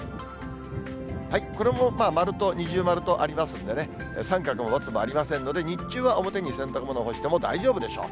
これも丸と二重丸とありますんでね、三角もバツもありませんので、日中は表に洗濯物干しても大丈夫でしょう。